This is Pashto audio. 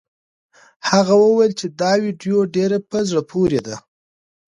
هغه وویل چې دا ویډیو ډېره په زړه پورې ده.